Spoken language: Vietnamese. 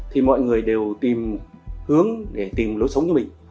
thì mọi người đều tìm hướng để tìm lối sống cho mình